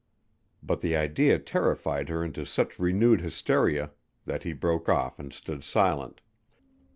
But the idea terrified her into such renewed hysteria that he broke off and stood silent.